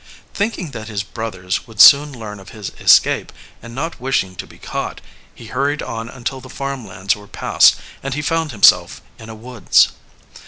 Thinking that his brothers would soon learn of his escape, and not wishing to be caught, he hurried on until the farm lands were passed and he found himself in a woods.